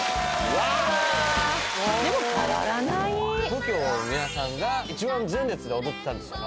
「ＴＯＫＩＯの皆さんが一番前列で踊ってたんですよ」